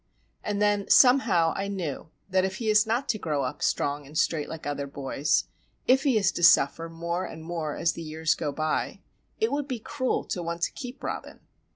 And then somehow I knew that if he is not to grow up strong and straight like other boys, if he is to suffer more and more as the years go by, it would be cruel to want to keep Robin.